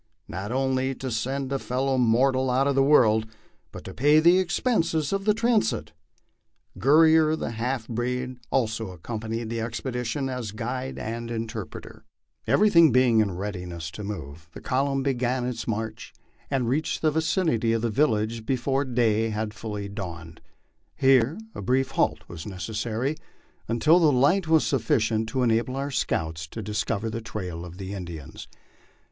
Not only to send a fellow mortal out of the world, but to pay the expenses of the transit. Guerrier, the half breed, also accompanied the expedition as guide and interpreter. MY LIFE ON THE PLAINS. 35 Everything being in readiness to move, the column began its march, and reached the vicinity of the village before day had fully dawned. Here a brief halt was necessary, until the light was sufficient to enable our scouts to discover the trail of the Indians.